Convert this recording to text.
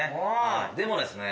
でもですね